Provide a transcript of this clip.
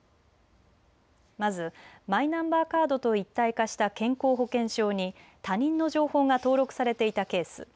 まず、マイナンバーカードと一体化した健康保険証に他人の情報が登録されていたケース。